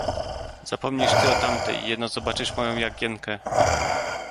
"Zapomnisz ty o tamtej, jeno zobaczysz moją Jagienkę."